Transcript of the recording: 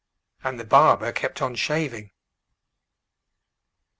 And the barber kept on shaving.